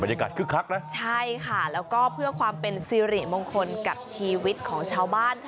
ยากคึกคักนะใช่ค่ะแล้วก็เพื่อความเป็นสิริมงคลกับชีวิตของชาวบ้าน